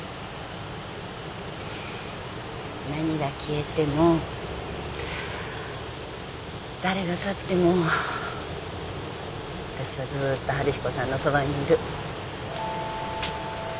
何が消えても誰が去ってもわたしはずっと春彦さんのそばにいる。